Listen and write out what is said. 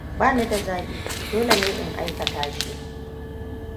Ba ni da zabi. Dole ne in aikata shi.